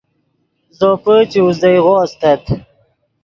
زوپے چے اوزدئیغو استت